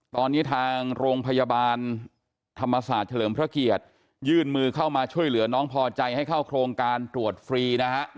ตอนนี้ทางโรงพยาบาลธรรมศาสตร์เฉลิมพระเกียรติยื่นมือเข้ามาช่วยเหลือน้องพอใจให้เข้าโครงการตรวจฟรีนะฮะ